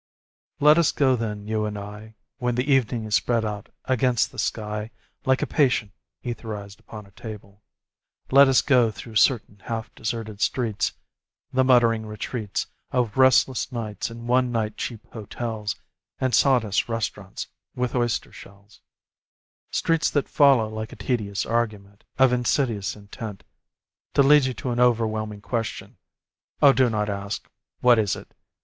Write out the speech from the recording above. _ Let us go then, you and I, When the evening is spread out against the sky Like a patient etherized upon a table; Let us go, through certain half deserted streets, The muttering retreats Of restless nights in one night cheap hotels And sawdust restaurants with oyster shells: Streets that follow like a tedious argument Of insidious intent To lead you to an overwhelming question ... Oh, do not ask, "What is it?"